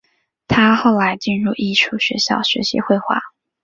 他后来进入艺术学校学习绘画。